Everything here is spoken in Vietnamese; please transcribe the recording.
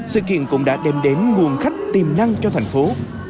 sự kiện cũng đã đem đến nguồn khách tiềm năng cho thành phố